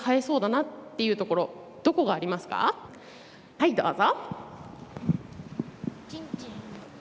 はい、どうぞ。